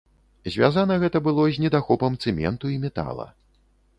Звязана гэта было з недахопам цэменту і метала.